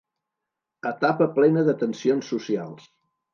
Etapa plena de tensions socials.